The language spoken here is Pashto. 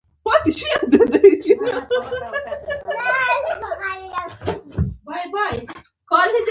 ایا ستاسو ګاونډیان له تاسو خوښ دي؟